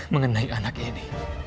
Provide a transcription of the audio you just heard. mengenai anak ini